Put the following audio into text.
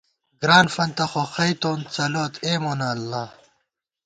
گران فنتہ خوخئیتون ، څلوت اے مونہ اللہ